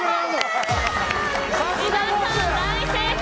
皆さん、大正解！